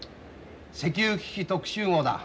石油危機特集号だ。